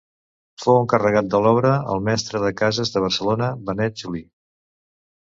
Fou encarregat de l'obra el mestre de cases de Barcelona Benet Juli.